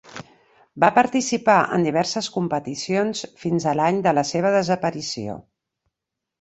Va participar en diverses competicions fins a l'any de la seva desaparició.